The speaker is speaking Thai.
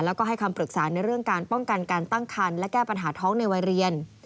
แล้วก็ให้คำปรึกษาในเรื่องการป้องกันการตั้งคันและแก้ปัญหาท้องในวัยเรียน